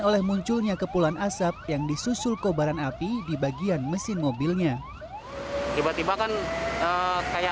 oleh munculnya kepulan asap yang disusul kobaran api di bagian mesin mobilnya tiba tiba kan kayak